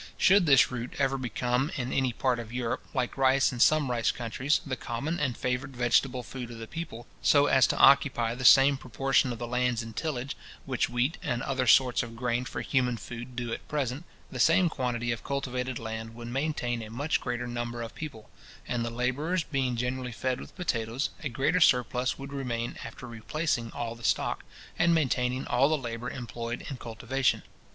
Should this root ever become in any part of Europe, like rice in some rice countries, the common and favourite vegetable food of the people, so as to occupy the same proportion of the lands in tillage, which wheat and other sorts of grain for human food do at present, the same quantity of cultivated land would maintain a much greater number of people; and the labourers being generally fed with potatoes, a greater surplus would remain after replacing all the stock, and maintaining all the labour employed in cultivation.